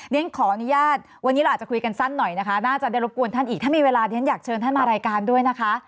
ขออนุญาตวันนี้เราอาจจะคุยกันสั้นหน่อยนะคะน่าจะได้รบกวนท่านอีกถ้ามีเวลาเรียนอยากเชิญท่านมารายการด้วยนะคะ